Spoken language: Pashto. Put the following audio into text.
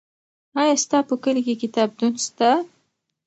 آیا ستا په کلي کې کتابتون سته؟